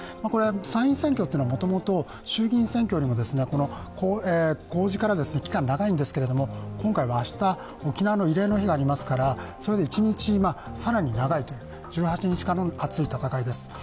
参院選挙というのはもともと衆議院選挙よりも公示から期間が長いんですけれども、今回は明日、沖縄の慰霊の日がありますから、それで１日更に長い、１８日間の熱い戦いです。